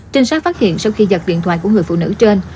trinh sát phát hiện sau khi giật điện thoại của người phụ nữ trên